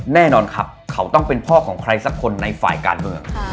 แน่นอนครับเขาต้องเป็นพ่อของใครสักคนในฝ่ายการเมือง